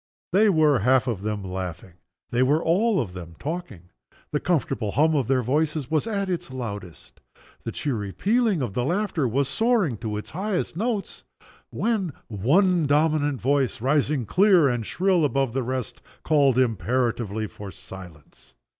They were half of them laughing, they were all of them talking the comfortable hum of their voices was at its loudest; the cheery pealing of the laughter was soaring to its highest notes when one dominant voice, rising clear and shrill above all the rest, called imperatively for silence.